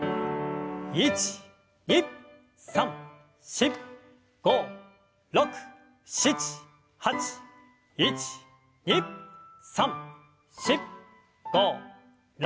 １２３４５６７８１２３４５６。